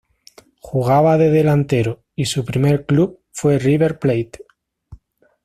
Jugaba de delantero y su primer club fue River Plate.